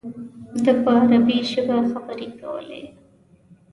ده په عربي ژبه خبرې کولې.